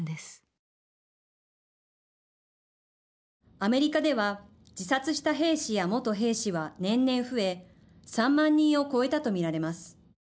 アメリカでは自殺した兵士や元兵士は年々増え３万人を超えたと見られます。